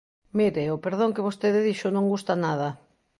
Mire, o perdón que vostede dixo non gusta nada.